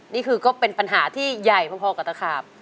นี่คือก็เป็นปัญหาที่ใหญ่พอกับตะขาบ